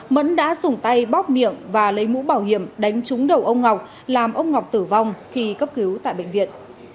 mẫn đã dùng tay bóc miệng và lấy mũ bảo hiểm đánh trúng đầu ông ngọc làm ông ngọc tử vong khi cấp cứu tại bệnh viện